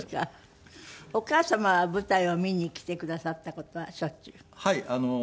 お母様は舞台を見に来てくださった事はしょっちゅう？